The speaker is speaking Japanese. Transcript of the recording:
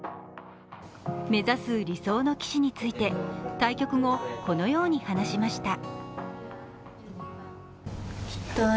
目指す理想の棋士について対局後、このように話しました。